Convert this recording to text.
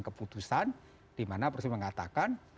keputusan di mana presiden mengatakan